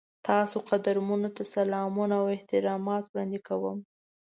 تاسو قدرمنو ته سلامونه او احترامات وړاندې کوم.